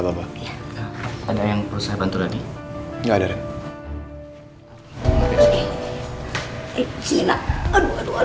dia pilih yang se gereksamen sama ze paku pun